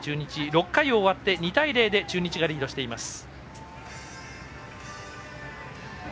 ６回終わって２対０で中日がリードしています。